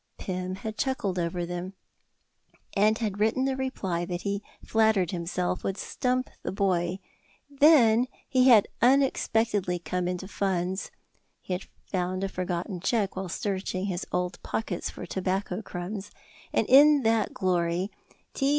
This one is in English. Pym had chuckled over them, and written a reply that he flattered himself would stump the boy; then he had unexpectedly come into funds (he found a forgotten check while searching his old pockets for tobacco crumbs), and in that glory T.